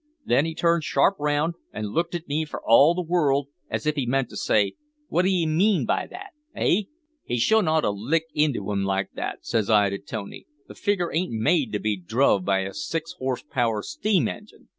Then he turned sharp round and looked at me for all the world as if he meant to say `wot d'ee mean by that? eh!' "`He shouldn't ought to lick into him like that,' says I to Tony, `the figure ain't made to be druv by a six horse power steam engine!